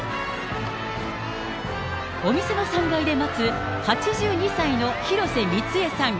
お店の３階で待つ、８２歳の広瀬美津江さん。